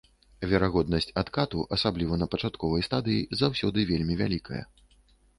Верагоднасць адкату, асабліва на пачатковай стадыі, заўсёды вельмі вялікая.